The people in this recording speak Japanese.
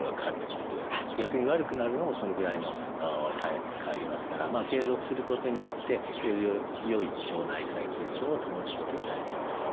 逆に悪くなるのもそのぐらいの変わりますから継続することによってよりよい腸内細菌叢を保つことが大切じゃないかと思います。